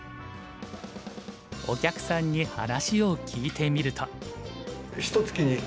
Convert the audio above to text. お客さんに話を聞いてみると。